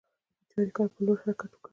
د چاریکار پر لور حرکت وکړ.